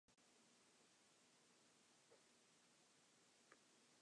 The Kleinstocks possess explosive plasma blasts and flight.